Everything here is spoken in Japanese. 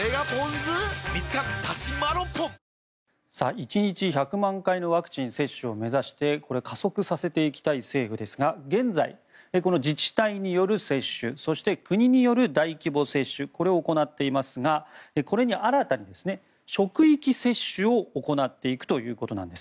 １日１００万回のワクチン接種を目指して加速させていきたい政府ですが現在、自治体による接種そして、国による大規模接種を行っていますがこれに新たに職域接種を行っていくということなんです。